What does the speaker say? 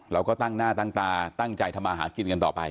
เราก็ตั้งหน้าตั้งตาตั้งใจทำมาหากินกันต่อไป